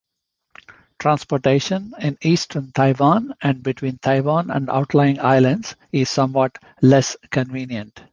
Transportation in eastern Taiwan and between Taiwan and outlying islands is somewhat less convenient.